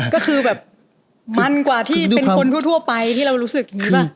ก็คือแบบมันกว่าที่เป็นคนทั่วไปที่เรารู้สึกอย่างนี้ป่ะ